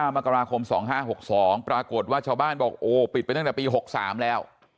มกราคม๒๕๖๒ปรากฏว่าชาวบ้านบอกโอ้ปิดไปตั้งแต่ปี๖๓แล้ว